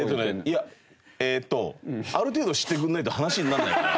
いやえーっとある程度知ってくれないと話にならないから。